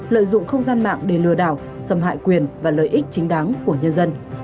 lợi dụng không gian mạng để lừa đảo xâm hại quyền và lợi ích chính đáng của nhân dân